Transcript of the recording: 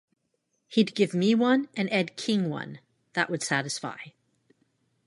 He'd give me one and Ed King one; that would satisfy.